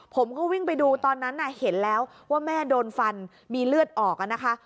ผมก็วิ่งไปดูตอนนั้นเห็นแล้วว่าแม่โดนฟันมีเลือดออกนะคะ